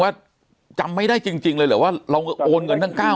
ว่าจำไม่ได้จริงจริงเลยหรือว่าเราโอนเงินทั้งเก้า